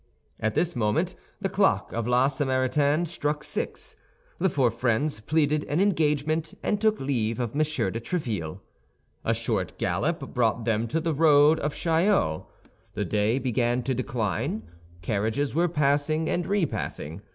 At this moment the clock of La Samaritaine struck six; the four friends pleaded an engagement, and took leave of M. de Tréville. A short gallop brought them to the road of Chaillot; the day began to decline, carriages were passing and repassing.